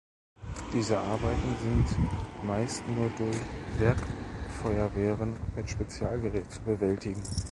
Diese Arbeiten sind meist nur durch Werkfeuerwehren mit Spezialgerät zu bewältigen.